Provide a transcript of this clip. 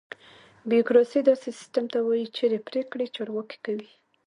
بیوروکراسي: داسې سیستم ته وایي چېرې پرېکړې چارواکي کوي.